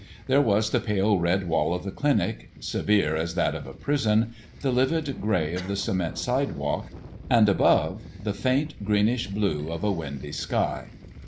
There was the pale red wall of the clinic, severe as that of a prison, the livid grey of the cement sidewalk, and above the faint greenish blue of a windy sky.